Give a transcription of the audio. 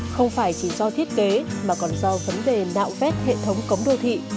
không phải chỉ do thiết kế mà còn do vấn đề nạo vét hệ thống cống đô thị